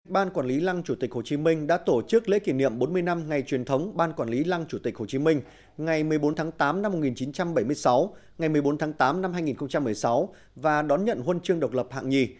ban quản lý lăng chủ tịch hồ chí minh đã tổ chức lễ kỷ niệm bốn mươi năm ngày truyền thống ban quản lý lăng chủ tịch hồ chí minh ngày một mươi bốn tháng tám năm một nghìn chín trăm bảy mươi sáu ngày một mươi bốn tháng tám năm hai nghìn một mươi sáu và đón nhận huân chương độc lập hạng nhì